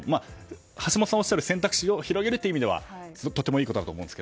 橋下さんがおっしゃる選択肢を広げるという意味ではとてもいいことだと思いますが。